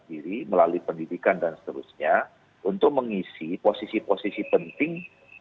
diri melalui pendidikan dan seterusnya untuk mengisi posisi posisi penting